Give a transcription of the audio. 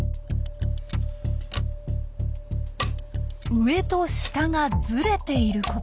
上と下がずれていること。